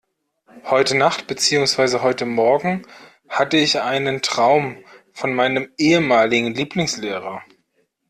Heute Nacht, beziehungsweise heute Morgen hatte ich einen Traum von meinem ehemaligen Lieblingslehrer.